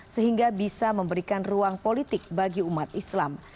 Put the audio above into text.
sehingga bisa memberikan ruang politik bagi umat islam